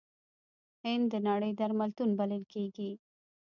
هند د نړۍ درملتون بلل کیږي.